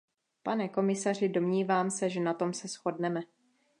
Pane komisaři, domnívám se, že na tom se shodneme.